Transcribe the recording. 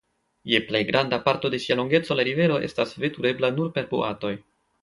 Je plej granda parto de sia longeco la rivero estas veturebla nur per boatoj.